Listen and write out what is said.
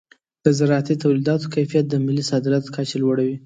د زراعتي تولیداتو کیفیت د ملي صادراتو کچه لوړوي.